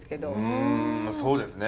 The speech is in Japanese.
うんそうですね